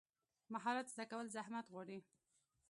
مهارت زده کول زحمت غواړي.